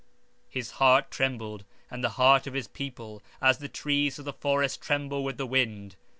And his heart was moved, and the heart of his people, as the trees of the wood are moved with the wind.